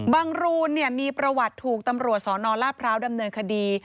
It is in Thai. บังรูนเนี่ยมีประวัติถูกตำรวจสอนอนลาดพร้าวดำเนินคดี